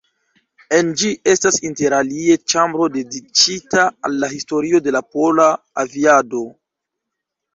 En ĝi estas interalie ĉambro dediĉita al la historio de la pola aviado.